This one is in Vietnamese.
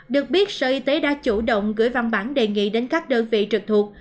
được biết sở y tế đã chủ động gửi văn bản đề nghị đến các đơn vị trực thuộc